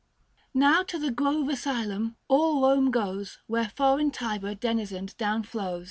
Now to the Grove Asylum, all Home goes 55 Where foreign Tiber denizen'd down flows.